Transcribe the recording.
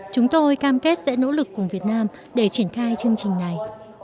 chúng tôi cam kết sẽ nỗ lực cùng việt nam để triển khai chương trình này